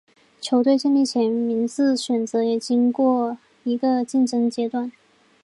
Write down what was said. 球队建立前的名字选择也经过一个竞争阶段。